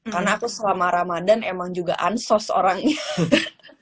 karena aku selama ramadhan emang juga ansos orangnya